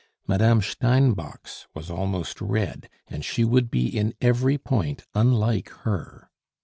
Madame Steinbock's was almost red, and she would be in every point unlike her.